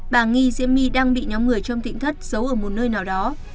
bà nghi diễm my đang bị nhóm người trong thịnh thất giấu ở một nơi nào đó